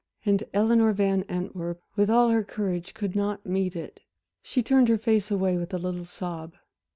And Eleanor Van Antwerp, with all her courage, could not meet it. She turned her face away with a little sob.